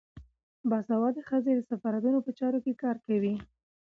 باسواده ښځې د سفارتونو په چارو کې کار کوي.